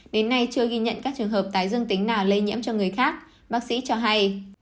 đến nay chưa ghi nhận các trường hợp tái dương tính nào lây nhiễm cho người khác bác sĩ cho hay